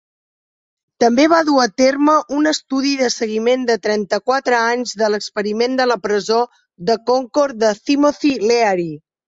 També va dur a terme un estudi de seguiment de trenta-quatre anys de l'experiment de la Presó de Concord de Timothy Leary.